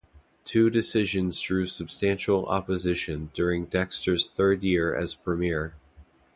Two decisions drew substantial opposition during Dexter's third year as Premier.